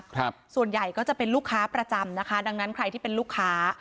ส่วนใหญ่ก็จะเป็นลูกค้าประจำนะคะดังนั้นใครที่เป็นลูกค้า